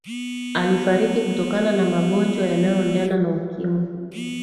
alifariki kutokana na magonjwa yanayoendana na ukimwi